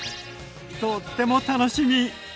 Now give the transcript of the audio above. とっても楽しみ！